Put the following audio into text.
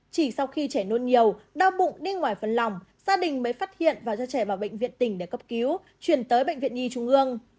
chỉ sau khi trẻ nôn nhiều đau bụng đi ngoài phần lòng gia đình mới phát hiện và đưa trẻ vào bệnh viện tỉnh để cấp cứu chuyển tới bệnh viện nhi trung ương